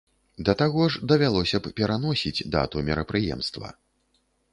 Да таго ж давялося б пераносіць дату мерапрыемства.